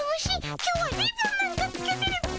今日はリボンなんかつけてるっピ。